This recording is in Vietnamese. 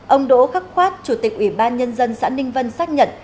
ông đỗ khắc khoát chủ tịch ủy ban nhân dân xã ninh vân xác nhận